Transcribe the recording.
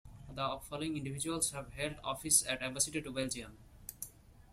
The following individuals have held office as Ambassador to Belgium.